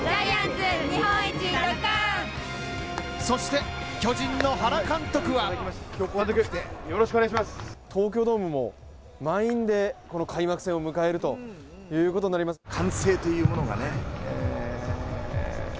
そして、巨人の原監督は東京ドームも満員で開幕戦を迎えるということになります。